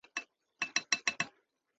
北汝河下游段系古代汝水故道。